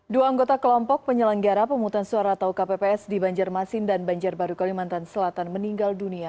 dua anggota kelompok penyelenggara pemungutan suara atau kpps di banjarmasin dan banjarbaru kalimantan selatan meninggal dunia